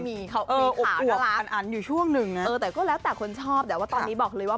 มีขาดารักนะเออแต่ก็แล้วแต่คนชอบแต่ว่าตอนนี้บอกเลยว่า